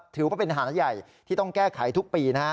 ถือว่าเป็นอาหารใหญ่ที่ต้องแก้ไขทุกปีนะฮะ